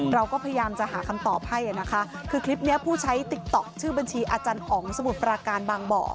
เราก็พยายามจะหาคำตอบให้นะคะคือคลิปนี้ผู้ใช้ติ๊กต๊อกชื่อบัญชีอาจารย์อ๋องสมุทรปราการบางบ่อ